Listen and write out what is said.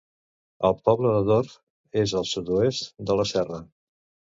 El poble de Dorve és al sud-oest de la serra.